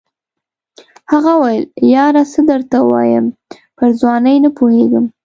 هغه وویل یاره څه درته ووایم پر ځوانۍ نه پوهېږم.